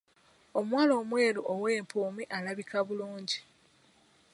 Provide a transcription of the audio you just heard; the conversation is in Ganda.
Omuwala omweru ow’empumi alabika bulungi.